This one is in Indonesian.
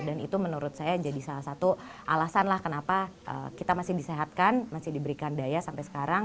dan itu menurut saya jadi salah satu alasanlah kenapa kita masih disehatkan masih diberikan daya sampai sekarang